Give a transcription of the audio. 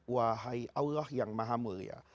wahai allah yang maha mulia